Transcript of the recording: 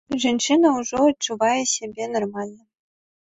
Жанчына ўжо адчувае сябе нармальна.